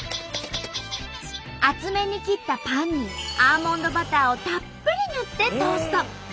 厚めに切ったパンにアーモンドバターをたっぷり塗ってトースト。